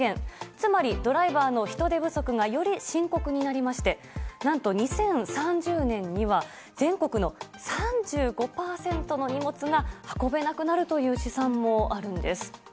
つまり、ドライバーの人手不足がより深刻になりまして何と２０３０年には全国の３５％の荷物が運べなくなるという試算もあるんです。